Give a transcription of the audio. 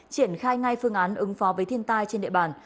triển khai ngay phương án ứng phó với thiên tai trên địa bàn